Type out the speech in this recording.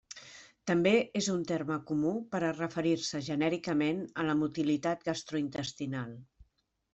També és un terme comú per a referir-se genèricament a la motilitat gastrointestinal.